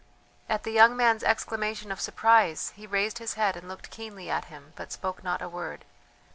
At the young man's exclamation of surprise he raised his head and looked keenly at him, but spoke not a word.